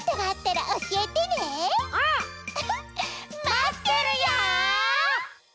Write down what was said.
まってるよ！